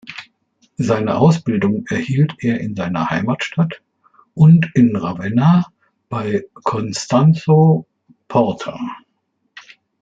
Seine Ausbildung erhielt er in seiner Heimatstadt und in Ravenna bei Constanzo Porta.